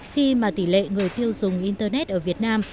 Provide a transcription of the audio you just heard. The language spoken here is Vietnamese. khi mà tỷ lệ người tiêu dùng internet ở việt nam